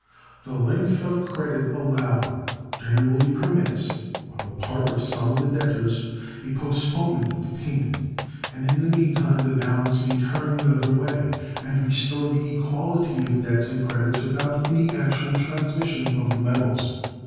The length of credit allowed generally permits, on the part of some of the debtors, a postponement of payment, and in the mean time the balance may turn the other way, and restore the equality of debts and credits without any actual transmission of the metals.